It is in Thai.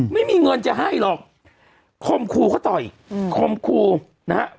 ไม่มีเงินจะให้หรอกคมครูเขาต่อยคมครูนะฮะ